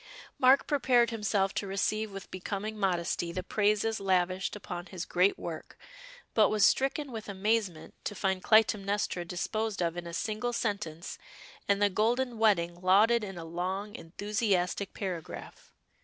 Mark prepared himself to receive with becoming modesty the praises lavished upon his great work, but was stricken with amazement to find Clytemnestra disposed of in a single sentence, and the Golden Wedding lauded in a long enthusiastic paragraph.